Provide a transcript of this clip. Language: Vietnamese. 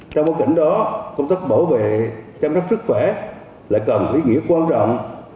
trong một cảnh đó công tác bảo vệ chăm sóc sức khỏe lại cần ý nghĩa quan trọng